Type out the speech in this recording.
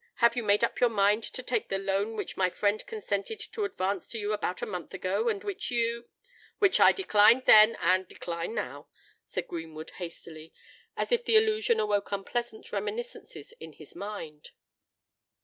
Have you made up your mind to take the loan which my friend consented to advance to you about a month ago, and which you——" "Which I declined then, and decline now," said Greenwood, hastily—as if the allusion awoke unpleasant reminiscences in his mind.